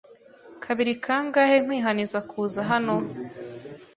kabiri kangahe nkwihaniza kuza hno